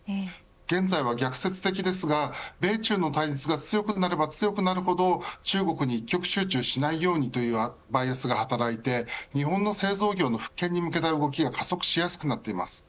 現在は逆説的ですが米中の対立が強くなれば強くなるほど中国に一極集中しないようにするバイアスが働いて日本の製造業の復権に向けた動きが加速しやすくなります。